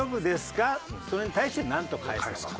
それに対してなんと返すのか。